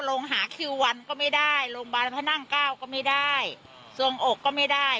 ลงหาคิววันก็ไม่ได้ลงบานพนักก้าวก็ไม่ได้ส่วงอกก็ไม่ได้